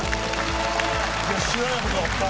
いや知らないことあった。